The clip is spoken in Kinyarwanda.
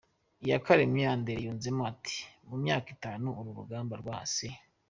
Iyakaremye Andre yunzemo ati “Mu myaka itanu uru ruganda rwa C.